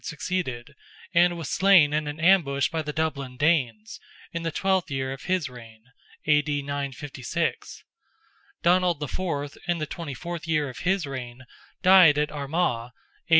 succeeded, and was slain in an ambush by the Dublin Danes, in the twelfth year of his reign (A.D. 956); Donald IV., in the twenty fourth year of his reign, died at Armagh, (A.